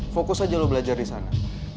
fokus aja lo belajar disana